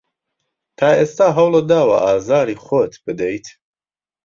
تا ئێستا هەوڵت داوە ئازاری خۆت بدەیت؟